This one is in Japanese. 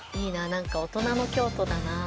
なんか大人の京都だな。